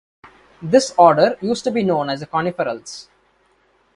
This order used to be known as the Coniferales.